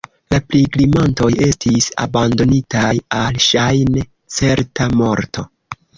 La pilgrimantoj estis abandonitaj al ŝajne certa morto.